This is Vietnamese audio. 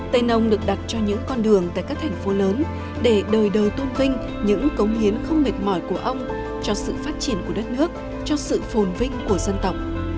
tây nông được đặt cho những con đường tại các thành phố lớn để đời đời tôn vinh những cống hiến không mệt mỏi của ông cho sự phát triển của đất nước cho sự phồn vinh của dân tộc